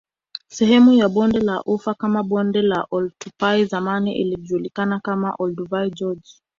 Sehemu ya Bonde la ufa kama Bonde la Oltupai zamani ilijulikana kama Olduvai Gorge